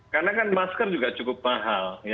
karena kan masker juga cukup mahal